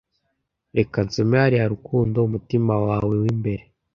Reka nsome hariya, rukundo! umutima wawe w'imbere.